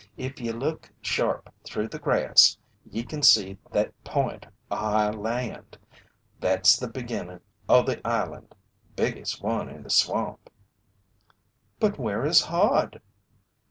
"If ye look sharp through the grass, ye can see thet point o' high land. Thet's the beginnin' o' the island biggest one in the swamp." "But where is Hod?"